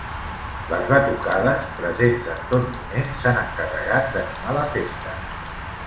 Les batucades, presents en tot moment, s’han encarregat d’animar la festa.